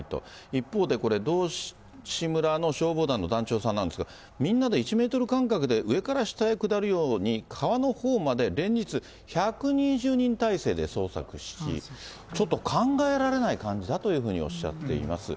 一方で、これ、道志村の消防団の団長さんなんですが、みんなで１メートル間隔で、上から下へ下るように川のほうまで連日、１２０人態勢で捜索し、ちょっと考えられない感じだというふうにおっしゃっています。